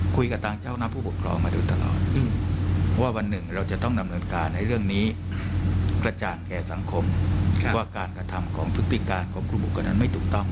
กระจ่างแก่สังคมว่าการกระทำของพฤติกาลของครูบุกกะนั้นไม่ถูกต้อง